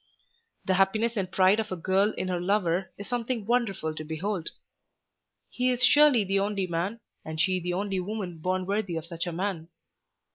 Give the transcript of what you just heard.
The happiness and pride of a girl in her lover is something wonderful to behold. He is surely the only man, and she the only woman born worthy of such a man.